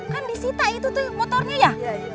kan disita itu tuh motornya ya